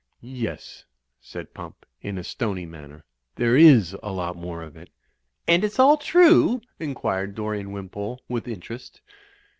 ''Yes," said Pump, in a stony manner. "There is a lot more of it." "And it's all true?" inquired Dorian Wimpole, with interest.